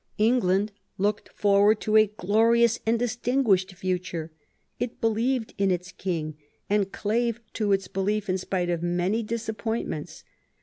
England looked forward to a glorious and dis tinguished future. It believed in its king, and clave to its belief in spite of many disappointments.